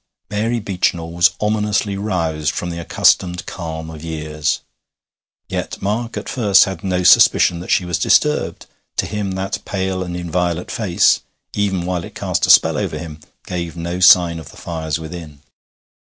Mary Beechinor was ominously roused from the accustomed calm of years. Yet Mark at first had no suspicion that she was disturbed. To him that pale and inviolate face, even while it cast a spell over him, gave no sign of the fires within.